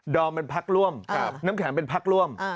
อมเป็นพักร่วมน้ำแข็งเป็นพักร่วม